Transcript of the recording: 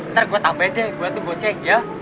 ntar gue tambah deh buat tuh goceng ya